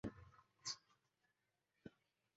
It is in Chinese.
西澳州政府官方网页